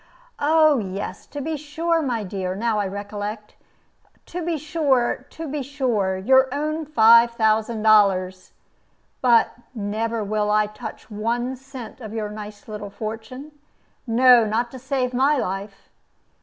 "Oh yes, to be sure, my dear; now I recollect. To be sure to be sure your own five thousand dollars. But never will I touch one cent of your nice little fortune; no, not to save my life.